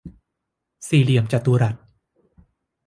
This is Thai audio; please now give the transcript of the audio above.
สี่เหลี่ยมจตุรัส